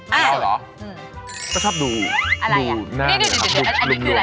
เราหรอเราชอบดูหน้าหน่อยครับดูรวมรวม